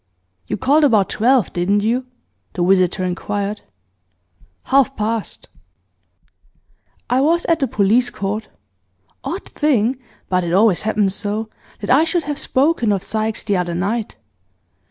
'You called about twelve, didn't you?' the visitor inquired. 'Half past.' 'I was at the police court. Odd thing but it always happens so that I should have spoken of Sykes the other night.